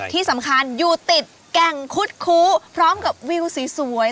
ที่สำคัญอยู่ติดแก่งคุดคูพร้อมกับวิวสวย